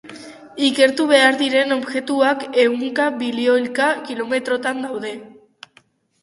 Ikertu behar diren objektuak ehunka bilioika kilometrotan daude.